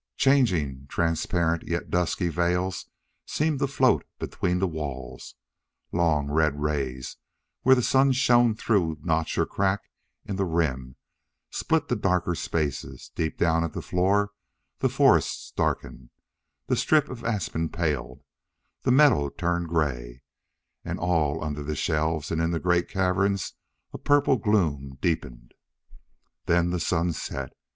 Changing, transparent, yet dusky veils seemed to float between the walls; long, red rays, where the sun shone through notch or crack in the rim, split the darker spaces; deep down at the floor the forest darkened, the strip of aspen paled, the meadow turned gray; and all under the shelves and in the great caverns a purple gloom deepened. Then the sun set.